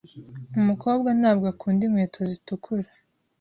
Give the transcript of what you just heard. Umukobwa ntabwo akunda inkweto zitukura